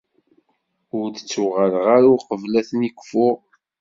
Ur d-ttuɣaleɣ ara uqbel ad ten-kfuɣ.